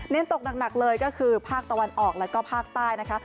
ตกหนักเลยก็คือภาคตะวันออกแล้วก็ภาคใต้นะคะ